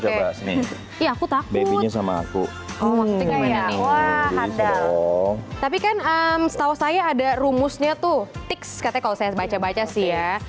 coba sini aku takut sama aku tapi kan amstel saya ada rumusnya tuh tiks ketika saya baca baca sih ya